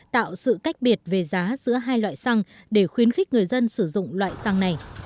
tạo sự cách biệt về giá giữa hai loại xăng để khuyến khích người dân sử dụng loại xăng này